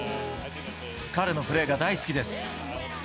彼のプレーが大好きです。